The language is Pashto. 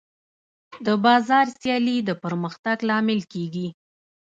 د بازار سیالي د پرمختګ لامل کېږي.